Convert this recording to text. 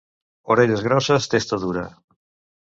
Orelles grosses, testa dura.